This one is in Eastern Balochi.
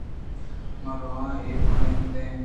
ما رو ایں، ما نِند ایں۔